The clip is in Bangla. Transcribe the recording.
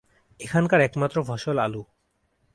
এখানকার একমাত্র ফসল আলু।